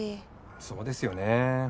そうですよねぇ。